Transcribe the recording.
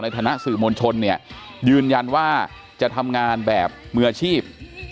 ในฐานะสื่อมวลชนยืนยันว่าจะทำงานแบบเมื่อชีพ